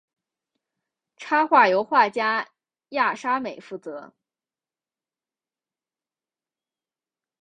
插画由画家亚沙美负责。